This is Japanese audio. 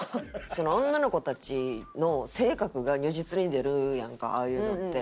女の子たちの性格が如実に出るやんかああいうのって。